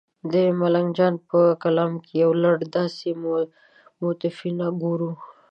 د ملنګ جان په کلام کې یو لړ داسې موتیفونه ګورو.